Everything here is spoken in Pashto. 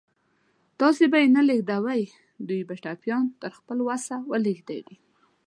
تاسې به یې نه لېږدوئ، دوی به ټپيان تر خپل وسه ولېږدوي.